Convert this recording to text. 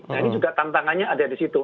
nah ini juga tantangannya ada di situ